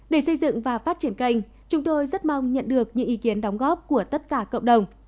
để xây dựng và phát triển kênh chúng tôi rất mong nhận được những ý kiến đóng góp của tất cả cộng đồng